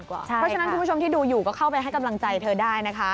เพราะฉะนั้นคุณผู้ชมที่ดูอยู่ก็เข้าไปให้กำลังใจเธอได้นะคะ